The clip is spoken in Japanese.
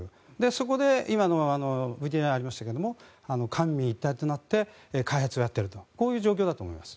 そこで今のＶＴＲにもありましたが官民一体となって開発をやっているという状況だと思います。